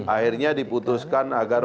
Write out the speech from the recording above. akhirnya diputuskan agar